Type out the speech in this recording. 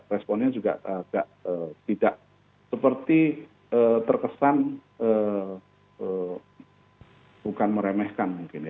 responnya juga agak tidak seperti terkesan bukan meremehkan mungkin ya